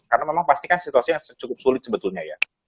karena memang pastikan situasinya cukup sulit sebetulnya ya